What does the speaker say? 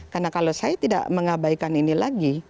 karena kalau saya tidak mengabaikan ini lagi